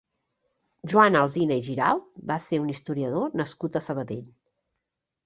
Joan Alsina i Giralt va ser un historiador nascut a Sabadell.